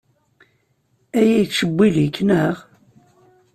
Aya yettcewwil-ik, naɣ?